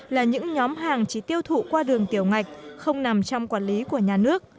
là những nhóm hàng chỉ tiêu thụ qua đường tiểu ngạch không nằm trong quản lý của nhà nước